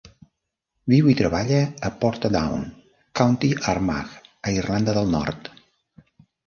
Viu i treballa a Portadown, County Armagh a Irlanda del Nord.